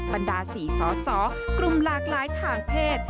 บรรดา๔สอสอกลุ่มหลากหลายทางเพศ